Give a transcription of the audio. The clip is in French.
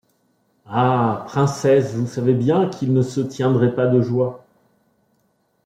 Ah ! princesse, vous savez bien qu’ils ne se tiendraient pas de joie. ..